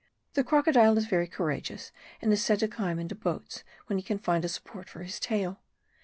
The crocodile is very courageous and is said to climb into boats when he can find a support for his tail.